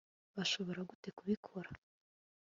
bashobora gute kubikora